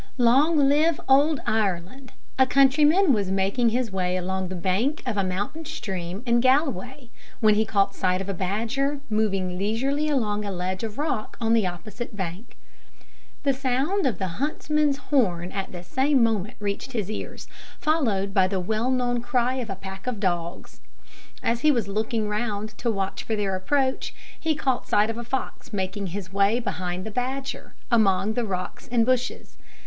Long live Old Ireland! A countryman was making his way along the bank of a mountain stream in Galway, when he caught sight of a badger moving leisurely along a ledge of rock on the opposite bank. The sound of the huntsman's horn at the same moment reached his ears, followed by the well known cry of a pack of dogs. As he was looking round, to watch for their approach, he caught sight of a fox making his way behind the badger, among the rocks and bushes.